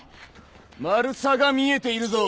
マル「さ」が見えているぞ。